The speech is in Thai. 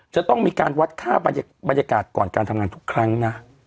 จะต้องมีการวัดค่าบรรยากาศก่อนการทำงานทุกครั้งนะ